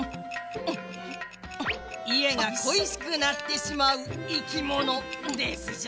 家が恋しくなってしまう生き物ですじゃ。